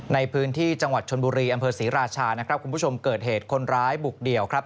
ในพื้นที่จังหวัดชนบุรีอำเภอศรีราชานะครับคุณผู้ชมเกิดเหตุคนร้ายบุกเดี่ยวครับ